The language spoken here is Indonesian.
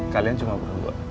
kalian cuma berdua